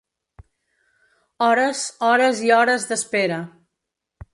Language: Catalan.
Hores, hores i hores d’espera.